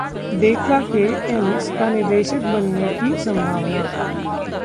डेका के एम्स का निदेशक बनने की संभावना